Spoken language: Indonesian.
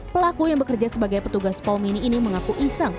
pelaku yang bekerja sebagai petugas pom ini mengaku iseng